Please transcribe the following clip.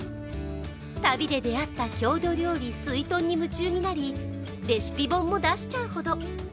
旅で出会った郷土料理すいとんに夢中になりレシピ本も出しちゃうほど。